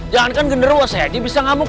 jangankan genarwo saya aja bisa ngamuk